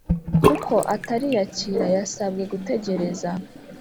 kuko atariyakira Yasabwe gutegereza